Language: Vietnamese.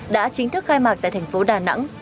đã chính thức khai mạc tại thành phố đà nẵng